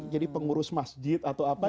jadi pengurus masjid atau apa